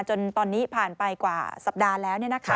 จนตอนนี้ผ่านไปกว่าสัปดาห์แล้ว